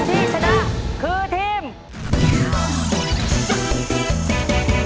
ก็เพราะว่าตัวฉันเป็นภูมิแมร่ง